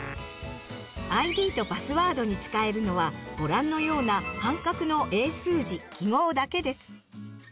ＩＤとパスワードに使えるのはご覧のような半角の英数字・記号だけです。